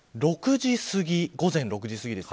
午前６時すぎです。